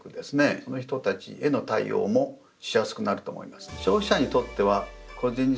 その人たちへの対応もしやすくなると思います。